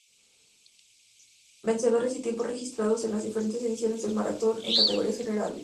Vencedores y tiempos registrados en las diferentes ediciones del maratón en categorías generales.